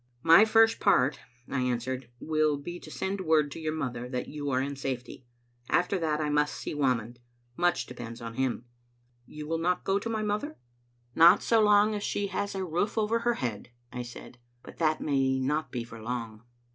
" My first part," I answered, "will be to send word to your mother that you are in safety. After that I must see Whamond. Much depends on him." " You will not go to my mother?" Digitized by VjOOQ IC m tbc %imc Ainfdtet " Not so long as she has a roof over her head,*' I said, " but that may not be for long.